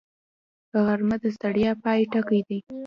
غرمه د ستړیا پای ټکی دی